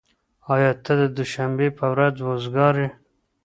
ايا ته د دوشنبې په ورځ وزګار يې؟